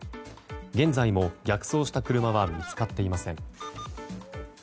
現在も逆走した車は見つかっていません。